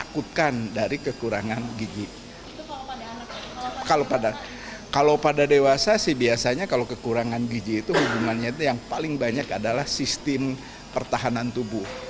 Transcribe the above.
kalau pada dewasa sih biasanya kalau kekurangan gizi itu hubungannya itu yang paling banyak adalah sistem pertahanan tubuh